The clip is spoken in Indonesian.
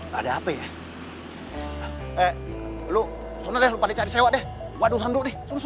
kita tapi bro jangan nyekele bro